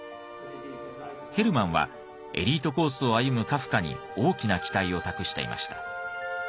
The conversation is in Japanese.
ヘルマンはエリートコースを歩むカフカに大きな期待を託していました。